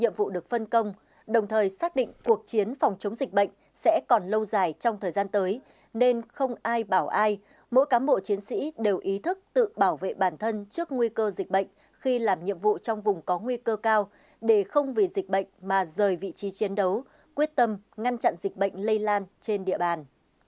mỗi cán bộ chiến sĩ đều ý thức tự bảo vệ bản thân trước nguy cơ dịch bệnh khi làm nhiệm vụ trong vùng có nguy cơ cao để không vì dịch bệnh mà rời vị trí chiến đấu quyết tâm ngăn chặn dịch bệnh lây lan trên địa bàn